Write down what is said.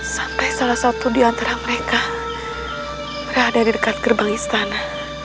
sampai salah satu di antara mereka berada di dekat gerbang istana